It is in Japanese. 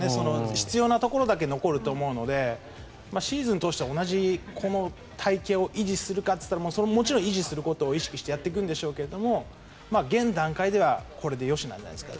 必要なところだけ残ると思うのでシーズンを通して同じ体形を維持するかといったらそれはもちろん維持することを意識してやっていくんでしょうけど現段階ではこれでよしなんじゃないですかね。